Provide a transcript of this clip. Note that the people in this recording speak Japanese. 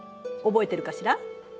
覚えてるかしら？